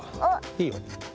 いいよ。